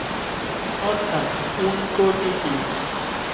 অর্থাৎ ঊনকোটিটি।